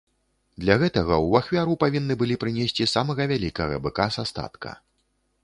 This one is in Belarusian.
Для гэтага ў ахвяру павінны былі прынесці самага вялікага быка са статка.